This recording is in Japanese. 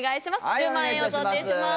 １０万円を贈呈します。